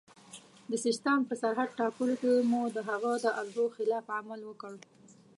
د سیستان په سرحد ټاکلو کې مو د هغه د ارزو خلاف عمل وکړ.